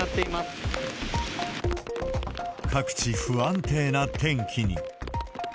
雨、各地、不安定な天気に。